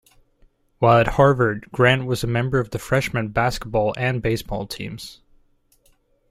While at Harvard, Grant was a member of the freshman basketball and baseball teams.